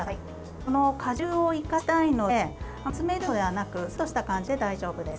この果汁を生かしたいのであまり煮詰めるのではなくサラッとした感じで大丈夫です。